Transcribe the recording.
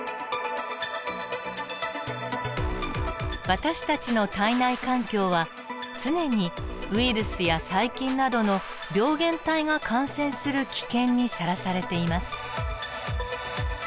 私たちの体内環境は常にウイルスや細菌などの病原体が感染する危険にさらされています。